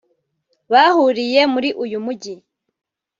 bahuriye muri uyu mujyi